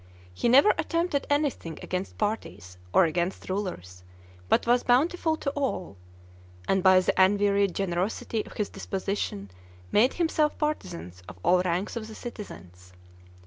He never attempted anything against parties, or against rulers, but was bountiful to all; and by the unwearied generosity of his disposition, made himself partisans of all ranks of the citizens.